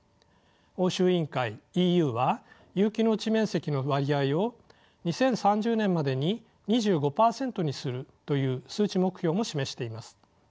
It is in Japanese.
欧州委員会ＥＵは有機農地面積の割合を２０３０年までに２５％にするという数値目標も示しています。